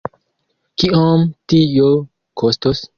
Kiom tio kostos?